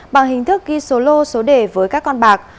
bằng hình thức ghi số lô số đề với các con bạc